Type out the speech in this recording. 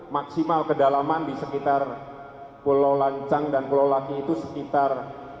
maksimal kedalaman di sekitar pulau lancang dan pulau laki itu sekitar dua puluh tiga